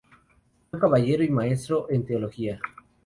Fue caballero y maestro en Teología.